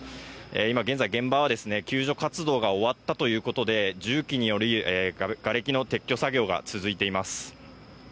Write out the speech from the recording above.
今現在、現場は救助活動が終わったということで重機による、がれきの撤去作業が続いています。